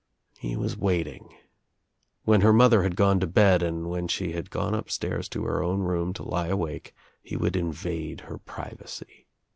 He was watting. When her mother had gone to bed and when she had gone upstairs to her own room to lie awake he would invade her privacy.